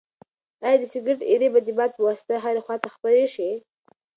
ایا د سګرټ ایرې به د باد په واسطه هرې خواته خپرې شي؟